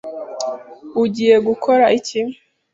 Ugiye gukora iki?